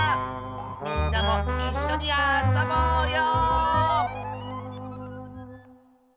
みんなもいっしょにあそぼうよ！